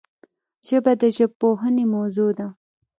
ژبه د ژبپوهنې موضوع ده